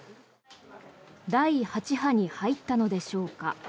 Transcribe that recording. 第８波に入ったのでしょうか。